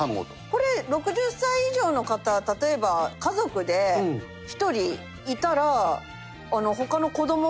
これ６０歳以上の方例えば家族で１人いたら他の子供も。